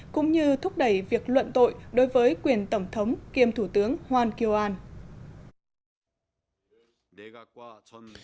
cũng như thúc đẩy việc luận tội đối với quyền tổng thống kiêm thủ tướng hoàng kiều an